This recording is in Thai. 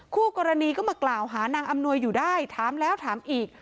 คู่กรณีก็มากล่าวหานางอำนวยอยู่ได้ถามแล้วถามอีก